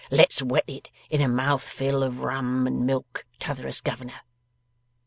Let's wet it, in a mouth fill of rum and milk, T'otherest Governor.